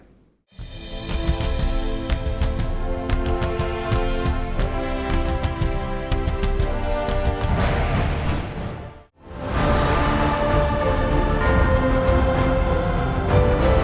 hẹn gặp lại